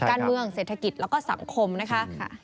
การเมืองเศรษฐกิจแล้วก็สังคมนะคะ